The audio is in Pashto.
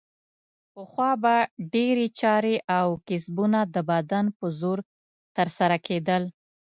پخوا به ډېرې چارې او کسبونه د بدن په زور ترسره کیدل.